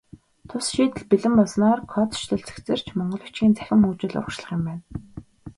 Тус шийдэл бэлэн болсноор кодчилол цэгцэрч, монгол бичгийн цахим хөгжил урагшлах юм байна.